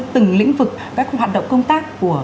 từng lĩnh vực các hoạt động công tác